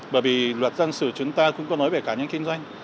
bởi vì luật dân sự chúng ta cũng có nói về cá nhân kinh doanh